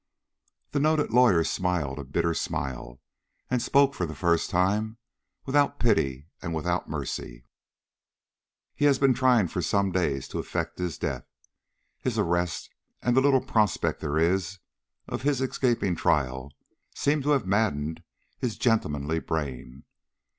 The noted lawyer smiled a bitter smile, and spoke for the first time, without pity and without mercy. "He has been trying for some days to effect his death. His arrest and the little prospect there is of his escaping trial seem to have maddened his gentlemanly brain.